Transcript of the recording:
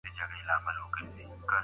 خشکیار او شاترینه مي یاد دي.